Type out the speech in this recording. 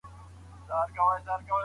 پیاز په هر خوراک کي نه پریښودل کېږي.